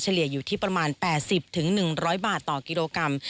เลี่ยอยู่ที่ประมาณ๘๐๑๐๐บาทต่อกิโลกรัม